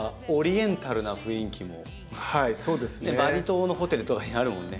バリ島のホテルとかにあるもんね。